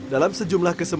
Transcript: dalam sejumlah konteks